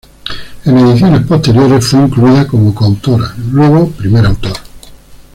En ediciones posteriores, fue incluida como coautora, luego primer autor.